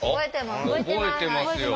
覚えてますよ。